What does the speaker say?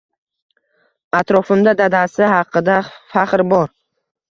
Atrofimda dadasi haqida faxr bor.